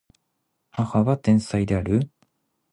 母は天才である